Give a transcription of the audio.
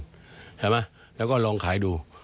ใช่ไหมแล้วก็ลองขายดู